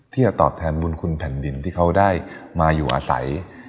ที่จะตอบแทนบุญคุณแผ่นดินที่เขาได้มาอยู่อาศัย